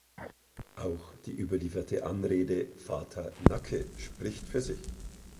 Auch die überlieferte Anrede „Vater Nacke“ spricht für sich.